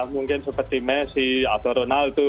mungkin seperti messi atau ronaldo